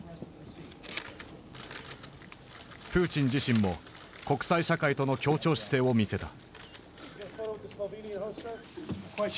プーチン自身も国際社会との協調姿勢を見せた。